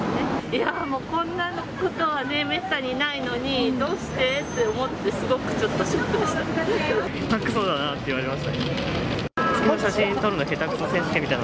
いやー、もうこんなことはね、めったにないのに、どうして？って思って、すごくちょっとショックでした。